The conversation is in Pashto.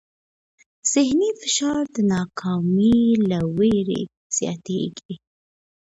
ذهني فشار د ناکامۍ له وېرې زیاتېږي.